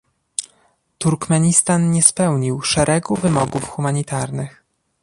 Turkmenistan nie spełnił szeregu wymogów humanitarnych